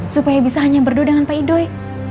supaya bisa hanya berdua dengan pak edoy